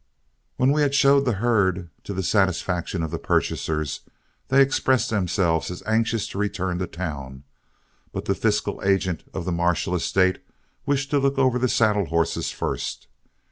When we had showed the herd to the satisfaction of the purchasers, they expressed themselves as anxious to return to town; but the fiscal agent of the Marshall estate wished to look over the saddle horses first.